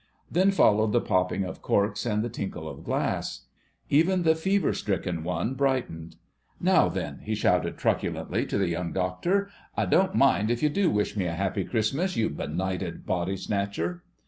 Then followed the popping of corks and the tinkle of glass. Even the fever stricken one brightened. "Now then," he shouted truculently to the Young Doctor, "I don't mind if you do wish me a happy Christmas, you benighted body snatcher."